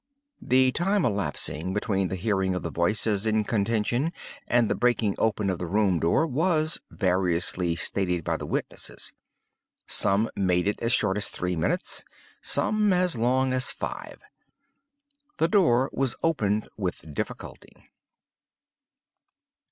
The time elapsing between the hearing of the voices in contention and the breaking open of the room door, was variously stated by the witnesses. Some made it as short as three minutes—some as long as five. The door was opened with difficulty.